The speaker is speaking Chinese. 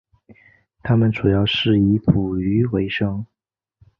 他们主要是以捕鱼维生。